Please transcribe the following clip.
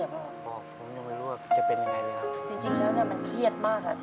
ผมยังไม่รู้ว่าจะเป็นอย่างไรเลยครับ